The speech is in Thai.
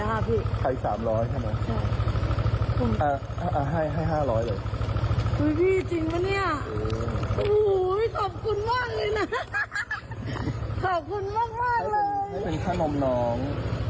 ให้เป็นข้าวน้ำน้อง